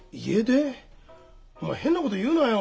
おい変なこと言うなよ！